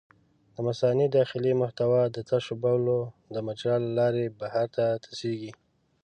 د مثانې داخلي محتویات د تشو بولو د مجرا له لارې بهر ته تشېږي.